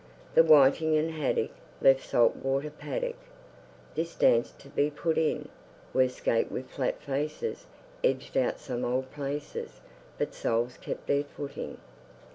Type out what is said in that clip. The whiting and haddock Left salt water paddock This dance to be put in; Where skate with flat faces Edged out some old plaices; But soles kept their footing.